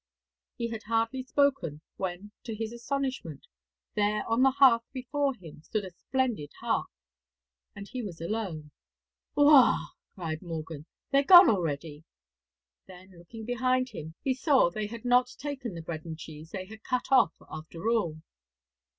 He had hardly spoken, when to his astonishment, there on the hearth before him stood a splendid harp, and he was alone. 'Waw!' cried Morgan, 'they're gone already.' Then looking behind him he saw they had not taken the bread and cheese they had cut off, after all.